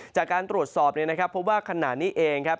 จากการตรวจสอบเนี่ยนะครับเพราะว่าขณะนี้เองครับ